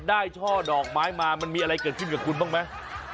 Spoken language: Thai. ช่อดอกไม้มามันมีอะไรเกิดขึ้นกับคุณบ้างไหม